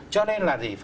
cho nên là gì